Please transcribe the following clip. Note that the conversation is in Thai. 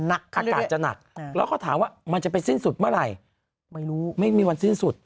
อากาศจะหนักแล้วก็ถามว่ามันจะไปสิ้นสุดเมื่อไหร่ไม่รู้ไม่มีวันสิ้นสุด